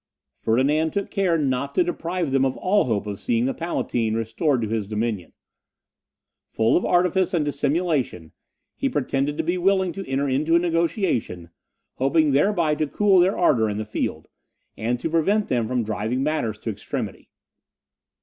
Ferdinand took care not to deprive them of all hope of seeing the Palatine restored to his dominion. Full of artifice and dissimulation, he pretended to be willing to enter into a negotiation, hoping thereby to cool their ardour in the field, and to prevent them from driving matters to extremity.